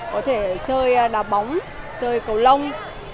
có thể chơi đá bóng chơi cầu lông